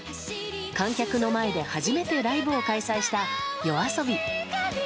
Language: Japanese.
観客の前で初めてライブを開催したＹＯＡＳＯＢＩ。